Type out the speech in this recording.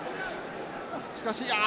しかしあ！